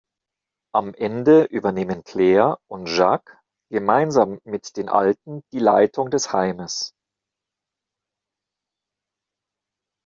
Am Ende übernehmen Claire und Jacques gemeinsam mit den Alten die Leitung des Heimes.